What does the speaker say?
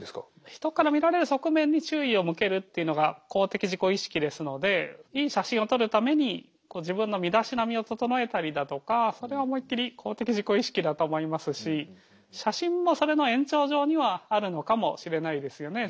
人から見られる側面に注意を向けるっていうのが公的自己意識ですのでいい写真を撮るために自分の身だしなみを整えたりだとかそれは思いっきり公的自己意識だと思いますし写真もそれの延長上にはあるのかもしれないですよね。